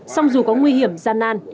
xong dù có nguy hiểm gian nan